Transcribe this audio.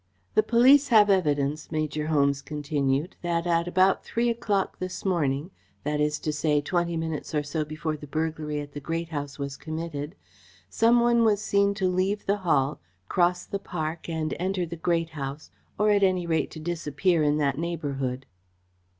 "The police have evidence," Major Holmes continued, "that at about three o'clock this morning that is to say twenty minutes or so before the burglary at the Great House was committed some one was seen to leave the Hall, cross the park and enter the Great House, or, at any rate, to disappear in that neighbourhood."